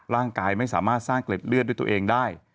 ร่างกายไม่สามารถสร้างเกล็ดเลือดด้วยตัวเองได้